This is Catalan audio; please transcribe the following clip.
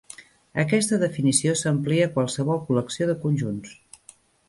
Aquesta definició s'amplia a qualsevol col·lecció de conjunts.